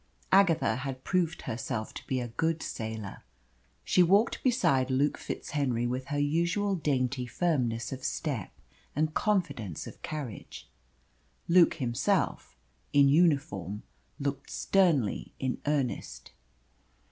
Agatha had proved herself to be a good sailor. She walked beside Luke FitzHenry with her usual dainty firmness of step and confidence of carriage. Luke himself in uniform looked sternly in earnest.